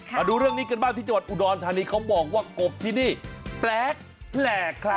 มาดูเรื่องนี้กันบ้างที่จังหวัดอุดรธานีเขาบอกว่ากบที่นี่แปลกครับ